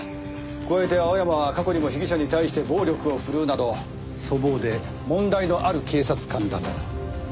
加えて青山は過去にも被疑者に対して暴力を振るうなど粗暴で問題のある警察官だと。